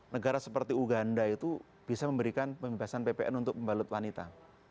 negara seperti uganda itu bisa memberikan pembebasan ppn untuk pembalut wanita